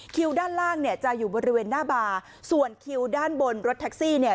ด้านล่างเนี่ยจะอยู่บริเวณหน้าบาร์ส่วนคิวด้านบนรถแท็กซี่เนี่ย